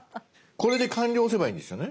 これで「完了」を押せばいいんですよね？